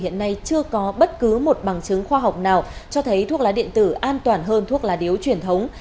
hiện nay chưa có bất cứ một bằng chứng khoa học nào cho thấy thuốc lá điện tử an toàn hơn thuốc lá điếu truyền thống